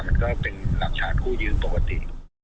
มันก็เป็นหลักชาติคู่ยืนปกติ